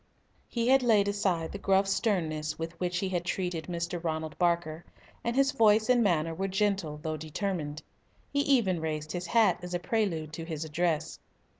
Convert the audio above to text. He had laid aside the gruff sternness with which he had treated Mr. Ronald Barker, and his voice and manner were gentle, though determined. He even raised his hat as a prelude to his address.